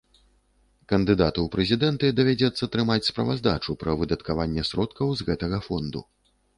Кандыдату ў прэзідэнты давядзецца трымаць справаздачу пра выдаткаванне сродкаў з гэтага фонду.